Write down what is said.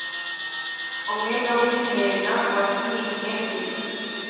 umwega w’umwena wa sinkennye